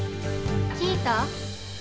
聞いた？